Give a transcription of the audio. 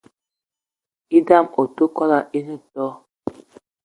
E'dam ote kwolo ene too